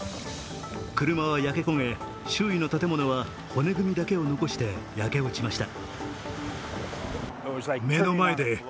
車は焼け焦げ、周囲の建物は骨組みだけを残して焼け落ちました。